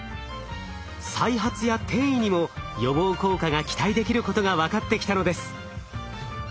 再発や転移にも予防効果が期待できることが分かってきたのです。